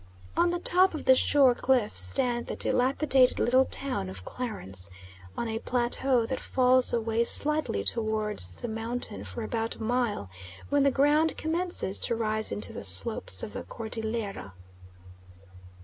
On the top of the shore cliffs stands the dilapidated little town of Clarence, on a plateau that falls away slightly towards the mountain for about a mile, when the ground commences to rise into the slopes of the Cordillera.